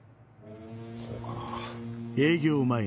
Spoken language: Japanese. そうかな。